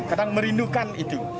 kadang merindukan itu